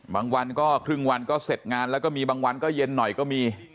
วันก็ครึ่งวันก็เสร็จงานแล้วก็มีบางวันก็เย็นหน่อยก็มี